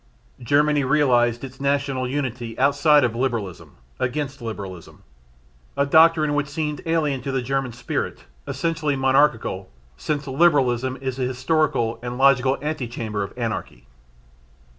Germany realised its national unity outside of Liberalism, against Liberalism a doctrine which seemed alien to the German spirit essentially monarchical, since Liberalism is the historical and logical ante chamber of anarchy.